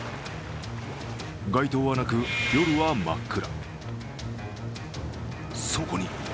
街灯はなく、夜は真っ暗。